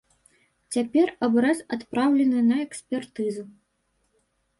Цяпер абрэз адпраўлены на экспертызу.